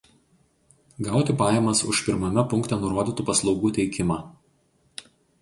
gauti pajamas už pirmame punkte nurodytų paslaugų teikimą